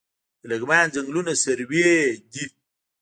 د لغمان ځنګلونه سروې دي